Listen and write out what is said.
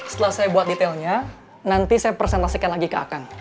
setelah saya buat detailnya nanti saya presentasikan lagi ke akan